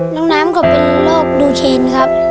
น้องน้ำเขาเป็นโรคดูเคนครับ